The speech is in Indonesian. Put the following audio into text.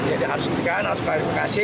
jadi harus dihentikan harus klarifikasi